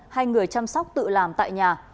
hay người chăm sóc tự làm tại nhà